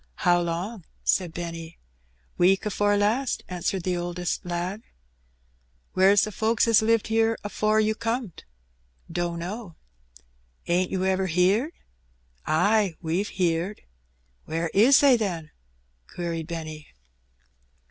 How long?" said Benny. "Week afore last," answered the oldest lad. "Where's the folks as lived 'ere afore you comed?" " Dunno." "Ain't you ever heerd?" "Ay, we've heerd." "Where is they, then?" queried Benny.